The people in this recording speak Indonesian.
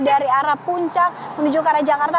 dari arah puncak menuju ke arah jakarta